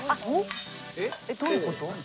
どういうこと？